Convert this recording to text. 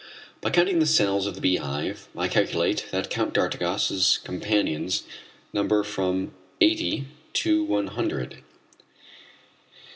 By counting the cells of the Beehive I calculate that Count d'Artigas' companions number from eighty to one hundred.